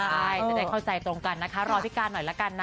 ใช่จะได้เข้าใจตรงกันนะคะรอพี่การหน่อยละกันนะ